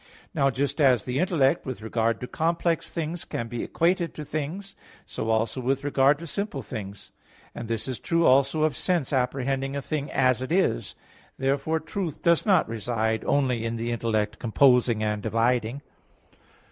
Now just as the intellect with regard to complex things can be equated to things, so also with regard to simple things; and this is true also of sense apprehending a thing as it is. Therefore truth does not reside only in the intellect composing and dividing.